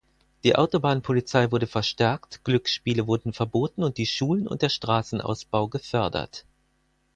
Die Autobahnpolizei wurde verstärkt, Glücksspiele wurden verboten und die Schulen und der Straßenausbau gefördert.